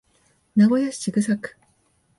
名古屋市千種区